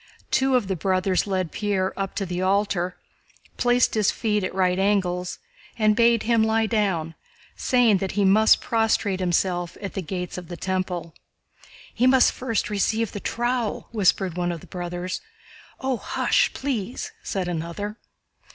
Two of the brothers led Pierre up to the altar, placed his feet at right angles, and bade him lie down, saying that he must prostrate himself at the Gates of the Temple. "He must first receive the trowel," whispered one of the brothers. "Oh, hush, please!" said another.